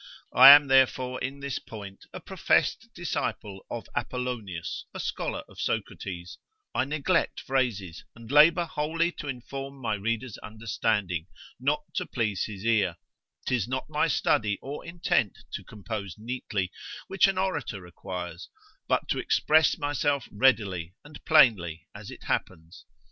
I am therefore in this point a professed disciple of Apollonius a scholar of Socrates, I neglect phrases, and labour wholly to inform my reader's understanding, not to please his ear; 'tis not my study or intent to compose neatly, which an orator requires, but to express myself readily and plainly as it happens.